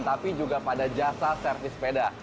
tapi juga pada jasa servis sepeda